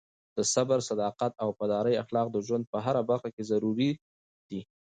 د صبر، صداقت او وفادارۍ اخلاق د ژوند په هره برخه کې ضروري دي.